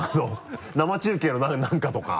生中継の何かとか。